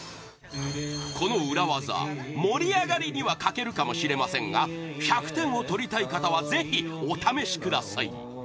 この裏ワザ、盛り上がりには欠けるかもしれませんが１００点を取りたい方はぜひお試しください！